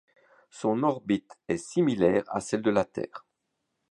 Son orbite est similaire à celle de la Terre.